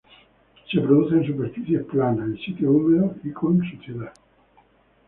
Se produce en superficies planas, en sitios húmedos y con suciedad.